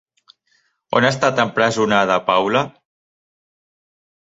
On ha estat empresonada Paula?